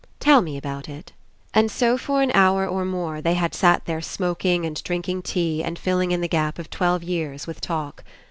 Tell me about it/' And so for an hour or more they had sat there smoking and drinking tea and filling in the gap of twelve years with talk.